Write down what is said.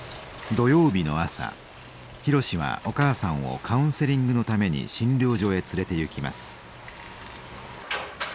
土曜日の朝博はお母さんをカウンセリングのために診療所へ連れていきます。